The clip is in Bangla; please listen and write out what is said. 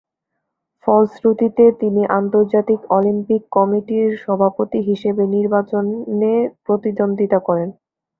ফলশ্রুতিতে তিনি আন্তর্জাতিক অলিম্পিক কমিটির সভাপতি হিসেবে নির্বাচনে প্রতিদ্বন্দ্বিতা করেন।